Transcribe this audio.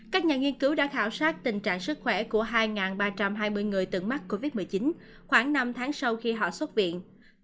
các nhà nghiên cứu đã khảo sát tình trạng sức khỏe của hai ba trăm hai mươi người từng mắc covid một mươi chín khoảng năm tháng sau khi họ xuất viện